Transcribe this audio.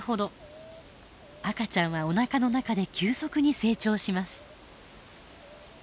赤ちゃんはおなかの中で急速に成長します。